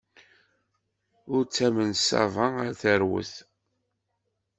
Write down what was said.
Ur ttamen ṣṣaba ar terwet!